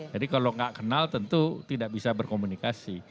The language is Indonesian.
jadi kalau gak kenal tentu tidak bisa berkomunikasi